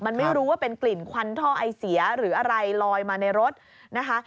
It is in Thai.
มันไม่รู้ว่าเป็นกลิ่นควันท่อไอเสียหรืออะไรลอยมาในรถนะคะ